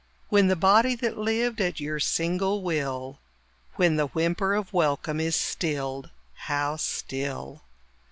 When the body that lived at your single will When the whimper of welcome is stilled (how still!)